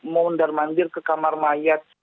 mondar mandir ke kamar mayat